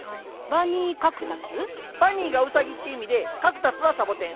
バニーカクタス？「バニー」が「ウサギ」って意味で「カクタス」は「サボテン」。